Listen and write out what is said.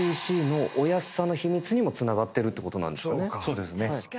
そうですね。